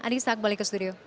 bisa kembali ke studio